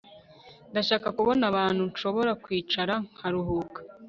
Ndashaka kubona ahantu nshobora kwicara nkaruhuka